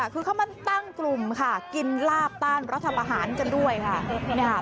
คือเขามาตั้งกลุ่มค่ะกินลาบต้านรัฐประหารกันด้วยค่ะ